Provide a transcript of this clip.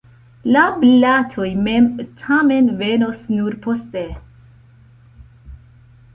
La blatoj mem, tamen, venos nur poste.